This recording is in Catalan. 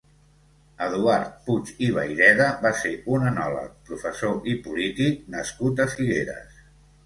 Eduard Puig i Vayreda va ser un enòleg, professor i polític nascut a Figueres.